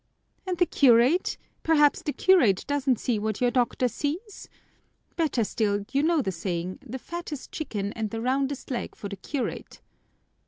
"And the curate, perhaps the curate doesn't see what your doctor sees? Better still, you know the saying, 'the fattest chicken and the roundest leg for the curate!'"